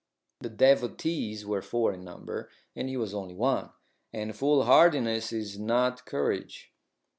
The devotees were four in number, and he was only one, and foolhardiness is not courage.